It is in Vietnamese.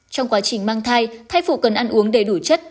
trong quá trình mang thai phụ cần ăn uống đầy đủ chất